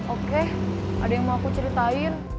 oke ada yang mau aku ceritain